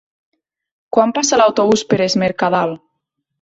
Quan passa l'autobús per Es Mercadal?